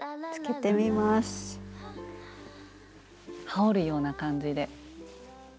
羽織るような感じで。